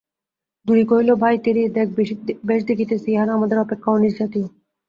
দুরি কহিল, ভাই তিরি, বেশ দেখিতেছি, ইহারা আমাদের অপেক্ষাও নীচজাতীয়।